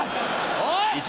おい！